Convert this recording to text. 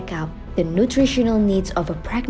kebutuhan nutrisional dari ibu kelahiran